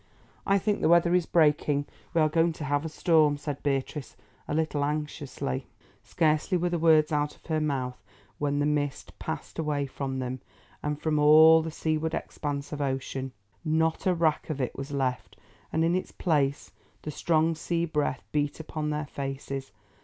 "I think the weather is breaking; we are going to have a storm," said Beatrice, a little anxiously. Scarcely were the words out of her mouth when the mist passed away from them, and from all the seaward expanse of ocean. Not a wrack of it was left, and in its place the strong sea breath beat upon their faces.